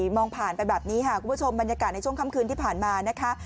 มองผ่านไปแบบนี้ค่ะคุณผู้ชมบรรยากาศในช่วงค่ำคืนที่ผ่านมานะคะ